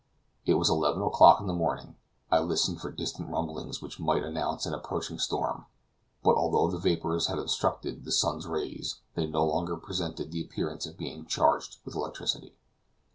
It was eleven o'clock in the morning. I listened for distant rumblings which might announce an approaching storm, but although the vapors had obstructed the sun's rays, they no longer presented the appearance of being charged with electricity.